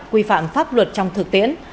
quy phạm pháp luật trong thực tiễn